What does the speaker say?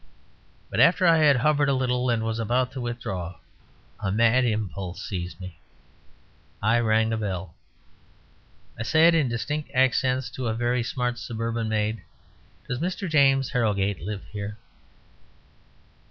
But after I had hovered a little, and was about to withdraw, a mad impulse seized me. I rang the bell. I said in distinct accents to a very smart suburban maid, "Does Mr. James Harrogate live here?"